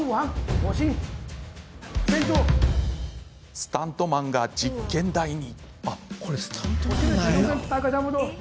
スタントマンが実験台に。